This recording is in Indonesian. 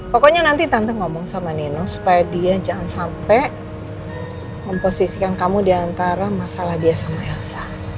pokoknya nanti tante ngomong sama nino supaya dia jangan sampai memposisikan kamu diantara masalah dia sama elsa